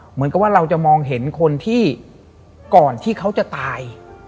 เหมือนกับว่าเราจะมองเห็นคนที่ก่อนที่เขาจะตาย